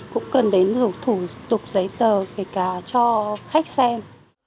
cũng cần đến dụng thủ tục giấy tờ kể cả cho khách xem